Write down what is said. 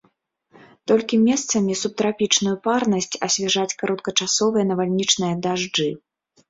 Толькі месцамі субтрапічную парнасць асвяжаць кароткачасовыя навальнічныя дажджы.